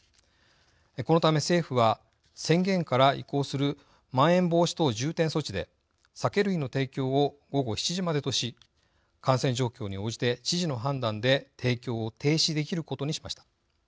このため政府は宣言から移行するまん延防止等重点措置で酒類の提供を午後７時までとし感染状況に応じて知事の判断で提供を停止できることにしました。